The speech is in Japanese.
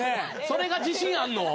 それが自信あるの？